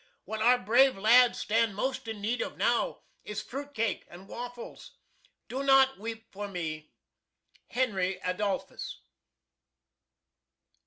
What our brave lads stand most in need of now is Fruit Cake and Waffles. Do not weep for me. Henry Adolphus.